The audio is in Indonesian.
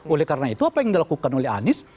oleh karena itu apa yang dilakukan oleh anies